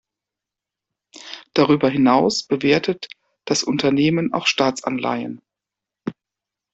Darüber hinaus bewertet das Unternehmen auch Staatsanleihen.